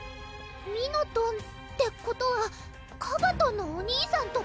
ミノトンってことはカバトンのお兄さんとか？